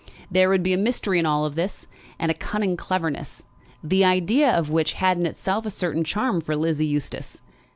There would be a mystery in all this, and a cunning cleverness, the idea of which had in itself a certain charm for Lizzie Eustace.